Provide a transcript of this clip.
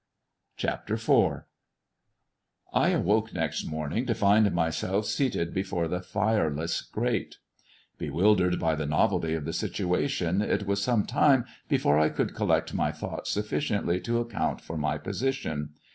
CHAPTER IV I AWOKE next morning to find myself seated before the fireless grate. Bewildered by the novelty of the situa tion, it was some time before I could collect my thoughts sufficiently to account for my position.